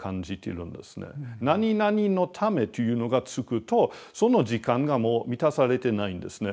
「何々のため」というのが付くとその時間がもう満たされてないんですね。